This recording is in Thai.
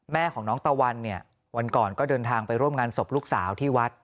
แม่ของน้องตะวันเนี่ยวันก่อนก็เดินทางไปร่วมงานศพลูกสาวที่วัด